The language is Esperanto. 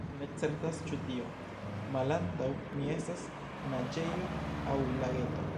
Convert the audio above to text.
Mi ne certas ĉu tio, malantaŭ mi, estas naĝejo aŭ lageto.